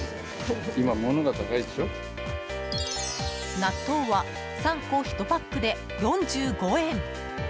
納豆は３個１パックで４５円！